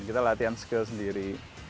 kita latihan skill sendiri